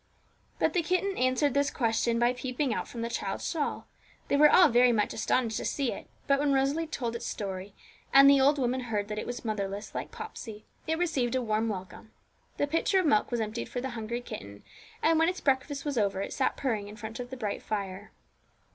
But the kitten answered this question by peeping out from the child's shawl. They were all very much astonished to see it; but when Rosalie told its story, and the old woman heard that it was motherless, like Popsey, it received a warm welcome. The pitcher of milk was emptied for the hungry kitten, and when its breakfast was over, it sat purring in front of the bright fire.